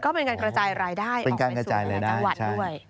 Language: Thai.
ก็เป็นการกระจายรายได้ออกไปสู่หลายจังหวัดด้วย